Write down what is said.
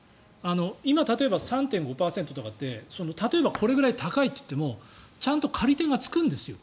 今、例えば３．５％とかってこれぐらい高いといってもちゃんと借り手がつくんですよ。